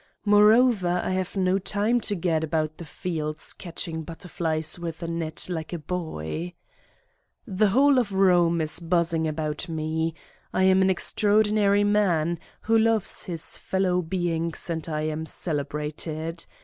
Moreover, I have no time to gad about the fields catching butterflies with a net like a boy. The whole of Eome is buzzing about me. I am an extraordinary man, who loves his fellow beings and I am celebrated.